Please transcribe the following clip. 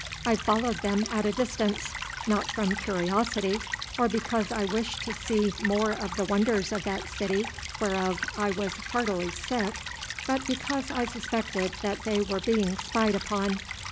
I followed them at a distance, not from curiosity, or because I wished to see more of the wonders of that city whereof I was heartily sick, but because I suspected that they were being spied upon.